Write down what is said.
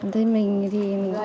thì mình thì